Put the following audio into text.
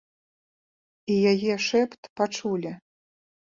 І яе шэпт пачулі.